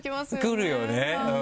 くるよね！